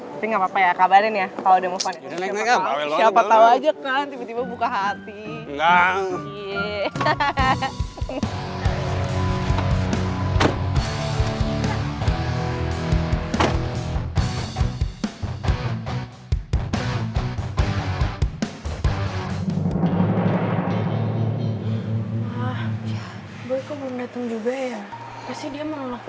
tapi gapapa ya kabarin ya kalau udah move on